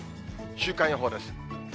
週間予報です。